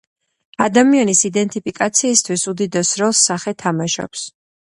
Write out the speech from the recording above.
ადამიანის იდენტიფიკაციისათვის უდიდეს როლს სახე თამაშობს.